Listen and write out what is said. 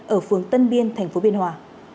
ở phường tân biên thành phố biên hòa